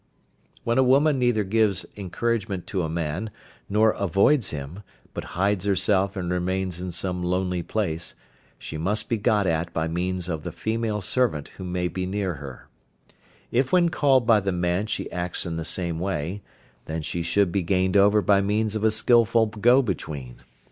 When a woman neither gives encouragement to a man, nor avoids him, but hides herself and remains in some lonely place, she must be got at by means of the female servant who may be near her. If when called by the man she acts in the same way, then she should be gained over by means of a skilful go between.